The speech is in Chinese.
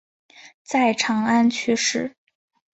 在长安去世。